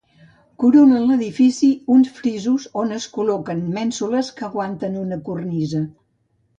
Coronen l'edifici uns frisos on es col·loquen mènsules que aguanten una cornisa.